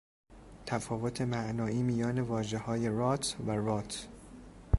تفاوت معنایی میان واژههای "rut" و "rot"